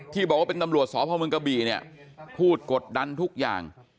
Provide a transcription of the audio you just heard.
ที่บอกว่าเป็นตำรวจสพเมืองกะบี่เนี่ยพูดกดดันทุกอย่าง